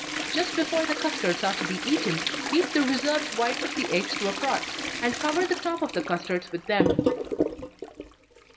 Just before the custards are to be eaten, beat the reserved whites of the eggs to a froth, and cover the top of the custards with them.